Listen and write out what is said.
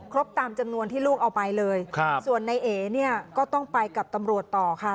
ตามจำนวนที่ลูกเอาไปเลยครับส่วนในเอเนี่ยก็ต้องไปกับตำรวจต่อค่ะ